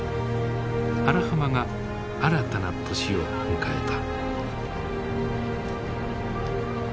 荒浜が新たな年を迎えた。